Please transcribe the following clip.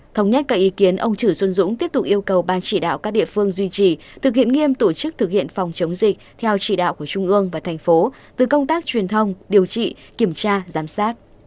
thống nhất các ý kiến ông chử xuân dũng tiếp tục yêu cầu ban chỉ đạo các địa phương duy trì thực hiện nghiêm tổ chức thực hiện phòng chống dịch theo chỉ đạo của trung ương và thành phố từ công tác truyền thông điều trị kiểm tra giám sát